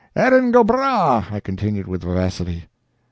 "Erin go bragh," I continued with vivacity.